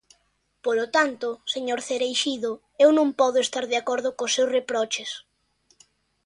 Polo tanto, señor Cereixido, eu non podo estar de acordo cos seus reproches.